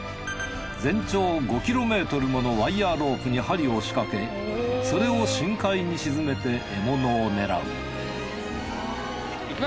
全長５ｋｍものワイヤーロープに針を仕掛けそれを深海に沈めて獲物を狙う